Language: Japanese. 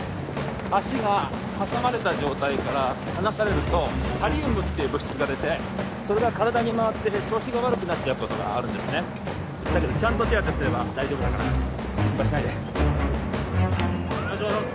足が挟まれた状態から離されるとカリウムっていう物質が出てそれが体にまわって調子が悪くなっちゃうことがあるんですねだけどちゃんと手当てすれば大丈夫だから心配しないでお願いします